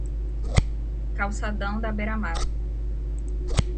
calçadão da beira mar